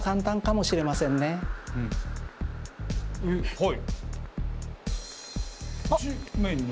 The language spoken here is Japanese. はい。